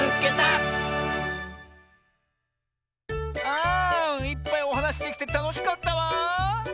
あいっぱいおはなしできてたのしかったわ。